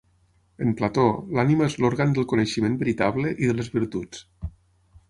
En Plató, l'ànima és l'òrgan del coneixement veritable i de les virtuts.